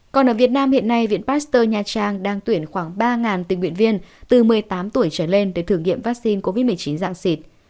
còn ở việt nam hiện nay viện pasteur nha trang đang tuyển khoảng ba tình nguyện viên từ một mươi tám tuổi trở lên để thử nghiệm vaccine covid một mươi chín dạng xịt